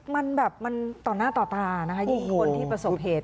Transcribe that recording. มันแบบมันต่อหน้าต่อตานะคะยิ่งคนที่ประสบเหตุ